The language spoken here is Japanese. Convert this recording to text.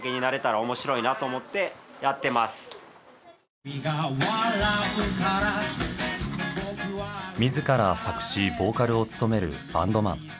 「君が笑うから」自ら作詞・ボーカルを務めるバンドマン。